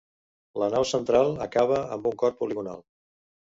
La nau central acaba amb un cor poligonal.